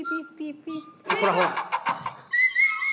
ほらほら。